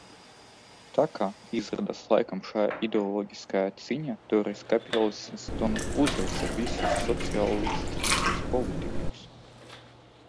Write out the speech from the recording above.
Tā ka, izrādās, laikam šajā ideoloģiskajā cīņā toreiz kapitālisms tomēr uzveica visus sociālistiskos politiķus.